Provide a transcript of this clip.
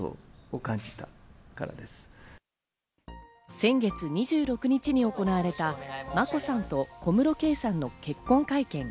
先月２６日に行われた眞子さんと小室圭さんの結婚会見。